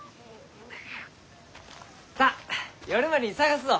さあ夜までに探すぞ！